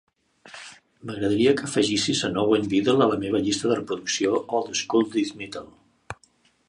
M'agradaria que afegissis en Owen Biddle a la meva llista de reproducció "Old School Death Metal".